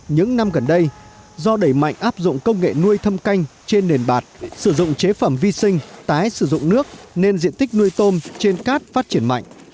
những năm gần đây do đẩy mạnh áp dụng công nghệ nuôi thâm canh trên nền bạc sử dụng chế phẩm vi sinh tái sử dụng nước nên diện tích nuôi tôm trên cát phát triển mạnh